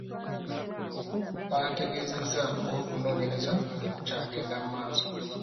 Bategeezezza ng'okunoonyereza bwe kukyagenda mu maaso .